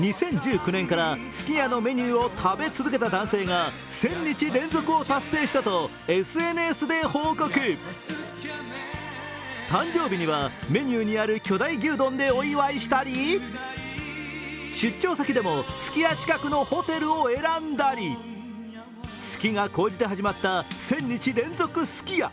２０１９年から、すき家のメニューを食べ続けた男性が１０００日連続を達成したとＳＮＳで報告誕生日には、メニューにある巨大牛丼でお祝いしたり出張先でも、すき家近くのホテルを選んだり、好きが高じて始まった１０００日連続すき家。